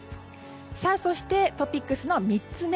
そして、トピックスの３つ目。